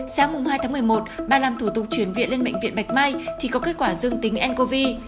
sáng hai tháng một mươi một bà làm thủ tục chuyển viện lên bệnh viện bạch mai thì có kết quả dương tính ncov